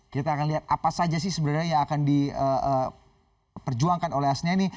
kita akan lihat apa saja sih sebenarnya yang akan diperjuangkan oleh asnaini